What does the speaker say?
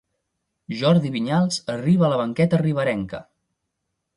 Jordi Vinyals arriba a la banqueta riberenca.